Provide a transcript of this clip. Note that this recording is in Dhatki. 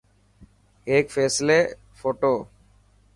هيڪ فيصلي ڦوٽو.